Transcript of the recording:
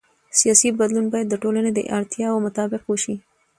سیاسي بدلون باید د ټولنې د اړتیاوو مطابق وشي